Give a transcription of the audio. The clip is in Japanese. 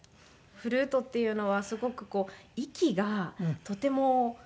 フルートっていうのはすごく息がとても苦しいんですね